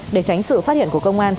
để tránh sự phát hiện của công an